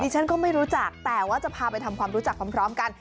ฉันก็ไม่รู้จักแต่ว่าจะพาไปทำความรู้จักพร้อมกัน